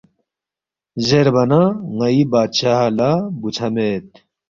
زیربا نہ ”ن٘ئی بادشاہ لہ بُوژھا مید